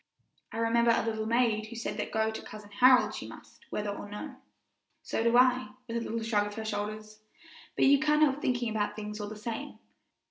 I remember a little maid who said that go to Cousin Harold she must, whether or no." "So do I," with a little shrug of her shoulders; "but you can't help thinking about things, all the same.